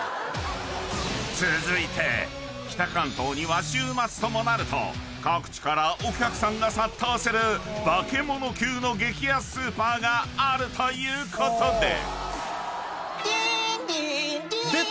［続いて北関東には週末ともなると各地からお客さんが殺到する化け物級の激安スーパーがあるということで］